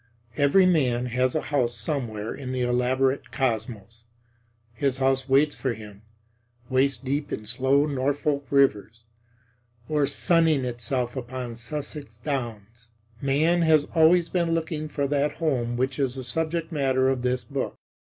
Every man has a house somewhere in the elaborate cosmos; his house waits for him waist deep in slow Norfolk rivers or sunning itself upon Sussex downs. Man has always been looking for that home which is the subject matter of this book.